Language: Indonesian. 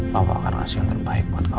papa akan kasih yang terbaik buat kamu